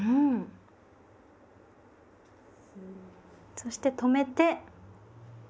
そして止めて。